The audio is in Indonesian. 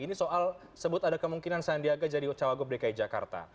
ini soal sebut ada kemungkinan sandiaga jadi cawagup dki jakarta